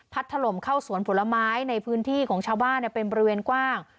ถล่มเข้าสวนผลไม้ในพื้นที่ของชาวบ้านเป็นบริเวณกว้าง